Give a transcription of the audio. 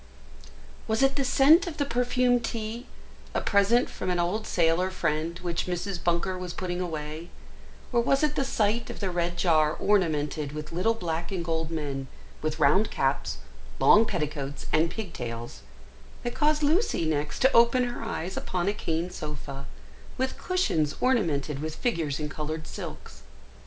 WAS it the scent of the perfumed tea, a present from an old sailor friend, which Mrs. Bunker was putting away, or was it the sight of the red jar ornamented with little black and gold men, with round caps, long petticoats, and pigtails, that caused Lucy next to open her eyes upon a cane sofa, with cushions ornamented with figures in coloured silks?